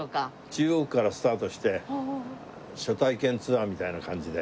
中央区からスタートして初体験ツアーみたいな感じで。